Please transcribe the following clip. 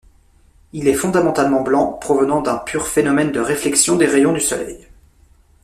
Il est fondamentalement blanc, provenant d'un pur phénomène de réflexion des rayons du soleil.